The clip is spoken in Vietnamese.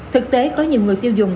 thực tế có nhiều người tiêu dùng